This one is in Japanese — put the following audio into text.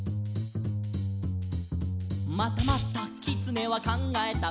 「またまたきつねはかんがえた」